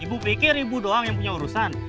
ibu pikir ibu doang yang punya urusan